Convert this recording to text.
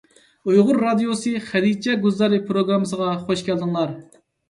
ئۇيغۇر رادىيوسى «خەدىچە گۈلزارى» پىروگراممىسىغا خۇش كەلدىڭلار!